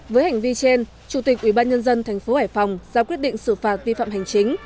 với hành vi trên chủ tịch ủy ban nhân dân thành phố hải phòng ra quyết định xử phạt vi phạm hành chính